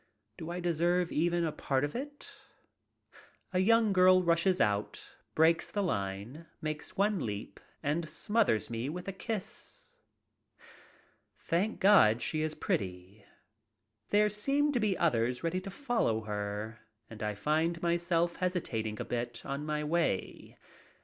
Do I deserve even a part of it? A young girl rushes out, breaks the line, makes one leap, and smothers me with a kiss. Thank God, she is pretty. There seem to be others ready to follow her, and I find my self hesitating a bit on my way.